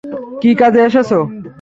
কী কাজে এসেছ?